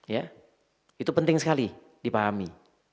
ya itu penting sekali dipahami